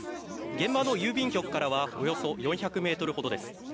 現場の郵便局からはおよそ４００メートルほどです。